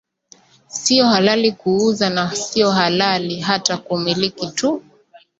sio halali kuuza na sio halali hata kumiliki tu